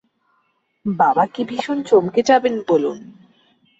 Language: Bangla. বাবা কী ভীষণ চমকে যাবেন বলুন।